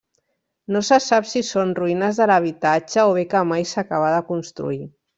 No se sap si són ruïnes de l'habitatge o bé que mai s'acabà de construir.